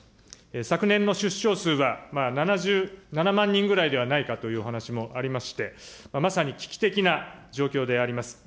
昨年の出生数は７７万人ぐらいではないかというお話もありまして、まさに危機的な状況であります。